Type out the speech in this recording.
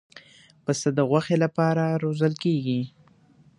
پسه د غوښې لپاره روزل کېږي.